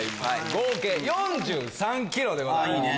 合計４３ｋｇでございます。